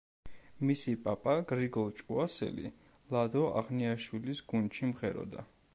მისი პაპა გრიგოლ ჭკუასელი, ლადო აღნიაშვილის გუნდში მღეროდა.